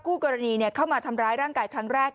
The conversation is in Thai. คู่กรณีเข้ามาทำร้ายร่างกายครั้งแรก